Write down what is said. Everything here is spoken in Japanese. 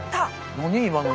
何今の？